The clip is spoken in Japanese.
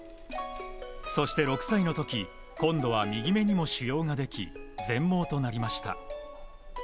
そして６歳の時今度は右目にも腫瘍ができ全盲となりました。